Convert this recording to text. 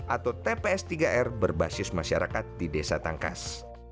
atau tps tiga r berbasis masyarakat di desa tangkas